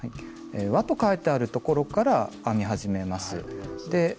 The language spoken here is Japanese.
「わ」と書いてあるところから編み始めます。